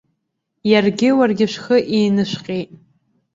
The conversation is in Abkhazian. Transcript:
Иаргьы уаргьы шәхы еинышәҟьеит!